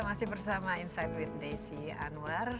masih bersama insight with desi anwar